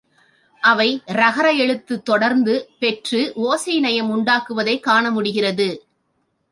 அவை றகர எழுத்துத் தொடர்ந்து பெற்று ஒசை நயம் உண்டாக்குவதைக் காண முடிகிறது.